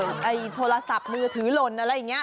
ไอ้โทรศัพท์มือถือหล่นอะไรอย่างนี้